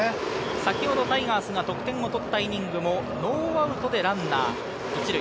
先ほどタイガースが得点を取ったシーンもノーアウトランナー２塁。